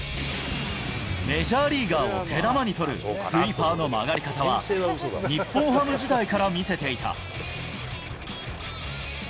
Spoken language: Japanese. メジャーリーガーを手玉に取るスイーパーの曲がり方は、日本ハム時代から見せていた。